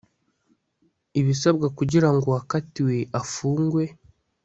ibisabwa kugira ngo uwakatiwe afungwe